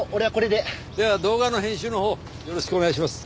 では動画の編集のほうよろしくお願いします。